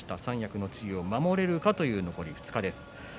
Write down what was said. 三役の地位を守れるかという残り２日です。